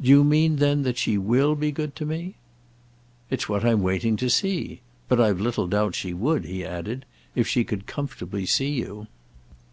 "Do you mean then that she will be good to me?" "It's what I'm waiting to see. But I've little doubt she would," he added, "if she could comfortably see you."